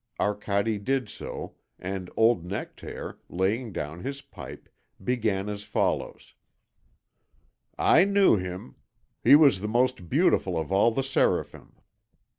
Arcade did so and old Nectaire, laying down his pipe, began as follows: "I knew him. He was the most beautiful of all the Seraphim.